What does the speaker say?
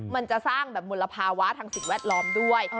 มันจะสร้างแบบมลภาวะทางสิ่งแวดล้อมด้วย